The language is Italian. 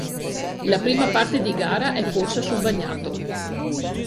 La prima parte di gara è corsa sul bagnato.